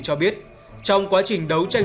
cho biết trong quá trình đấu tranh